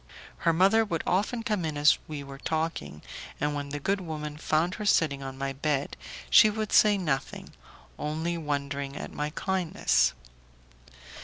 Her mother would often come in as we were talking, and when the good woman found her sitting on my bed she would say nothing, only wondering at my kindness.